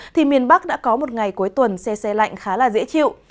thì miền bắc đã có một ngày cuối tuần xe xe lạnh khá là dễ chịu